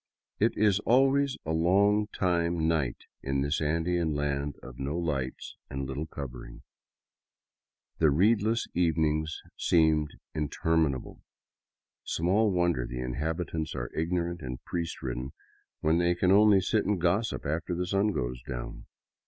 It is always a long time night in this Andean land of no lights and little covering. The read less evenings seem interminable. Small wonder the inhabitants are ignorant and priest ridden when they can only sit and gossip after the sun goes down.